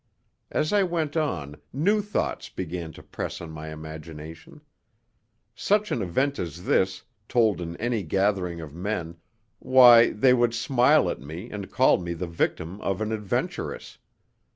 As I went on, new thoughts began to press on my imagination. Such an event as this, told in any gathering of men, why, they would smile at me and call me the victim of an adventuress.